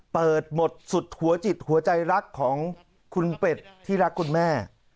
เปิดหมดสุดหัวจิตหัวใจรักของคุณเป็ดที่รักคุณแม่